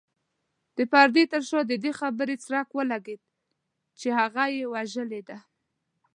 د پردې تر شا د دې خبرې څرک ولګېد چې هغه يې وژلې ده.